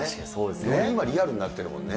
より今、リアルになってるもんね。